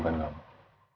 aku ingin pergi